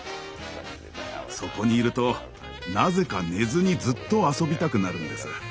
そこにいるとなぜか寝ずにずっと遊びたくなるんです。